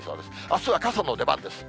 あすは傘の出番です。